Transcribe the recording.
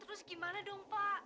terus gimana dong pak